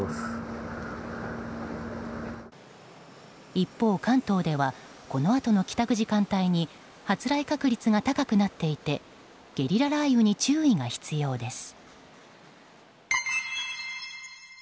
一方、関東でもこのあとの帰宅時間帯に発雷確率が高くなっていてゲリラ雷雨に注意が必要です。